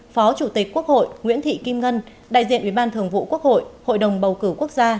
phó chủ tịch quốc hội nguyễn thị kim ngân đại diện ủy ban thường vụ quốc hội hội đồng bầu cử quốc gia